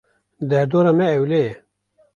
Derdora me ewle ye.